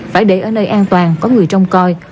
phải để ở nơi an toàn có người trông coi